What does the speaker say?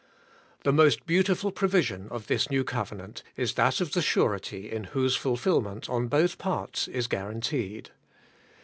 The most beautiful provision of this New Covenant is that of the surety in whom its fulfilment on both parts is guaranteed.